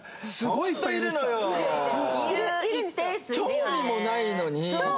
興味もないのに！